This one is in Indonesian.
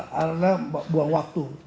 karena buang waktu